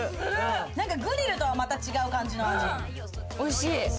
グリルとはまた違う感じの味。